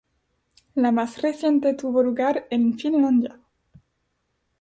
La más reciente tuvo lugar en Finlandia.